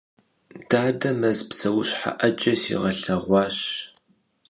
Dade mez pseuşhe 'ece siğelheğuaş.